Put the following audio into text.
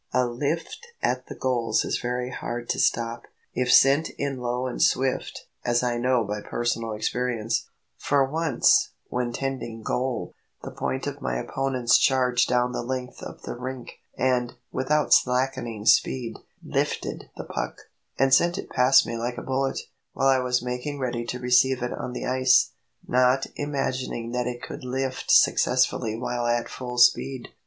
A "lift" at the goals is very hard to stop, if sent in low and swift, as I know by personal experience; for once, when tending goal, the point of my opponents charged down the length of the rink, and, without slackening speed, "lifted" the puck, and sent it past me like a bullet, while I was making ready to receive it on the ice, not imagining that he could lift successfully while at full speed.